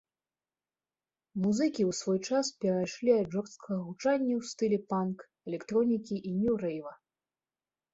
Музыкі ў свой час перайшлі ад жорсткага гучання ў стылі панк, электронікі і нью-рэйва.